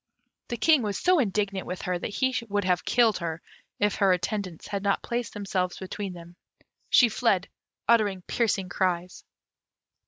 The King was so indignant with her that he would have killed her, if her attendants had not placed themselves between them. She fled, uttering piercing cries.